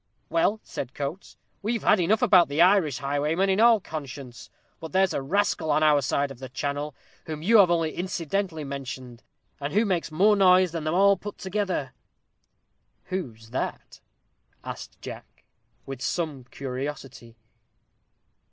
"Well," said Coates, "we've had enough about the Irish highwaymen, in all conscience. But there's a rascal on our side of the Channel, whom you have only incidentally mentioned, and who makes more noise than them all put together." "Who's that?" asked Jack, with some curiosity.